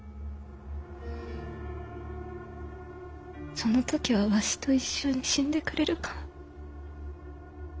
その時はわしと一緒に死んでくれるか？